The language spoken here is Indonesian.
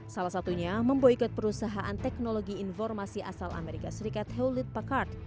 salah satunya memboykot perusahaan teknologi informasi asal amerika serikat hewlid pakard